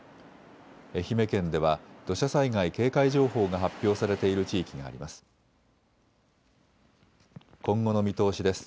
愛媛県では土砂災害警戒情報が発表されている地域があります。